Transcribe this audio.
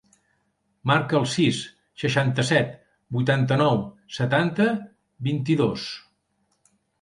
Marca el sis, seixanta-set, vuitanta-nou, setanta, vint-i-dos.